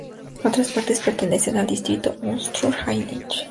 Otras partes pertenecen al distrito Unstrut-Hainich.